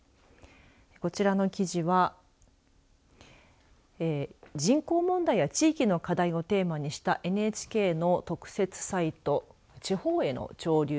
こちらの記事は人口問題や地域の課題をテーマにしたＮＨＫの特設サイト地方への潮流